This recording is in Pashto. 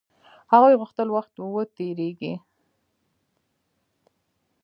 هغوی غوښتل وخت و تېريږي.